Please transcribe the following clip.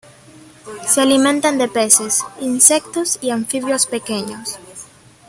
Se alimentan de peces, insectos y anfibios pequeños.